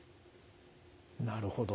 なるほど。